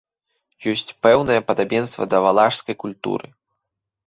Ёсць пэўнае падабенства да валашскай культуры.